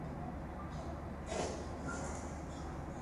আমি পড়ে তার সাথে দেখা করিয়ে দেবা।